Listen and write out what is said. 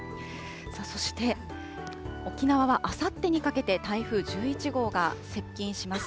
そして沖縄はあさってにかけて台風１１号が接近します。